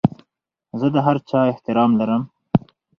زه د هر چا احترام لرم.